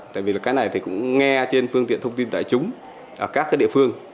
tại vì là cái này thì cũng nghe trên phương tiện thông tin tài trúng ở các địa phương